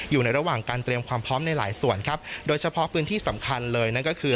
อยู่ในระหว่างการเตรียมความพร้อมในหลายส่วนครับโดยเฉพาะพื้นที่สำคัญเลยนั่นก็คือ